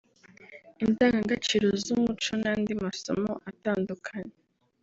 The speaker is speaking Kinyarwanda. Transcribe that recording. indangagaciro z’umuco n’andi masomo atandukanye